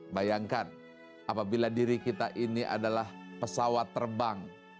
bayangkan apabila diri kita ini adalah pesawat terbang